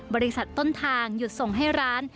บริษัทต้นทางหยุดส่งให้ร้าน